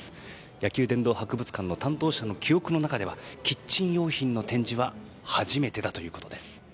野球殿堂博物館の担当者の記憶の中ではキッチン用品の展示は初めてだということです。